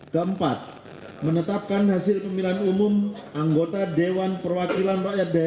ketiga menetapkan risiko kemenangan anggota dewan perwakilan rakyat